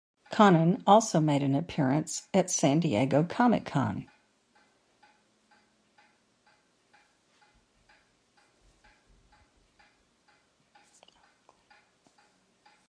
Konnan also made an appearance at San Diego Comic Con.